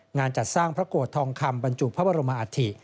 งานจัดสร้างพระโกรธทองคำบรรจุพระบรมอัฐิ